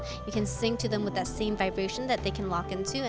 anda bisa menyanyikan kepada mereka dengan vibrasi yang sama yang mereka bisa melakukan